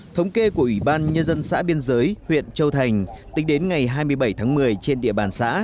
thống kê của ủy ban nhân dân xã biên giới huyện châu thành tính đến ngày hai mươi bảy tháng một mươi trên địa bàn xã